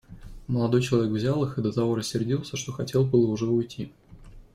Молодой человек взял их и до того рассердился, что хотел было уже уйти.